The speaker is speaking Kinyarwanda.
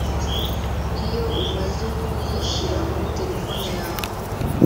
Iyo umaze kuyishyira muri telefone yawe